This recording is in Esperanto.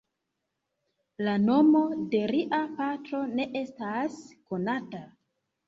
La nomo de lia patro ne estas konata.